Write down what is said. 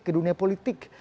ke dunia politik